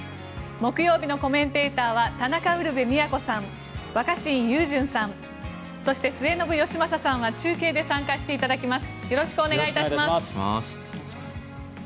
木曜日のコメンテーターは田中ウルヴェ京さん若新雄純さんそして、末延吉正さんは中継で参加していただきます。